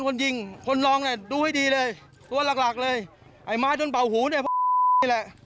คนยิงคนรองเนี้ยดูให้ดีเลยตัวหลักหลักเลยไอ้ม้ายจนเป่าหูเนี้ยแหละ